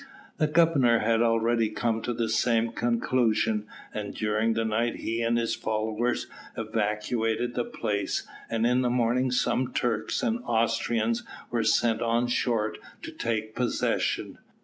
The governor had already come to the same conclusion, and during the night he and his followers evacuated the place, and in the morning some Turks and Austrians were sent on shore to take possession.